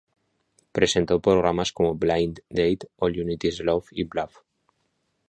Presentó programas como "Blind Date", "All You Need is Love" y "Bluff!